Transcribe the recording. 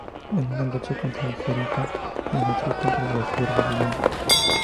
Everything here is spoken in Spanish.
En uno lucha contra Gerión, y en otro contra la cierva de Diana.